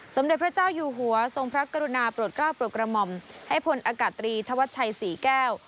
สมเด็จพระเจ้าอยู่หัวทรงพระกรุณาโปรดกล้าโปรดกระหม่อมให้พลอากาศตรีธวัชชัยศรีแก้ว